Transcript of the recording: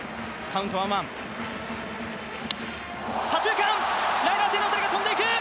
左中間、ライナー性の当たりが飛んでいく！